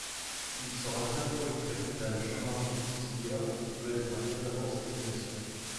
Il sera très proche du cardinal Jean-Marie Lustiger qu'il connaîtra bien avant sa nomination.